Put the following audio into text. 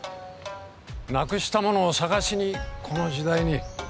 なくしたものを捜しにこの時代に。